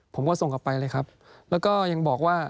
ผมก็ส่งกลับไปเลยครับแล้วก็ยังบอกว่า